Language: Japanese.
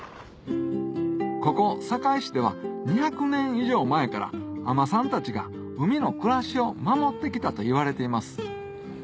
ここ坂井市では２００年以上前から海女さんたちが海の暮らしを守って来たといわれています